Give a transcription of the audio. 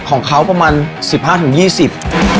ของเขาประมาณสิบห้าถึงยี่สิบ